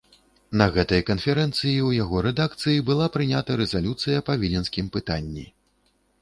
На гэтай канферэнцыі ў яго рэдакцыі была прынята рэзалюцыя па віленскім пытанні.